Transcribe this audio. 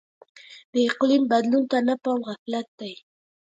د اقلیم بدلون ته نه پام غفلت دی.